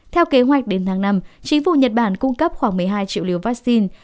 theo kế hoạch đến tháng năm chính phủ nhật bản cung cấp khoảng một mươi hai triệu liều vaccine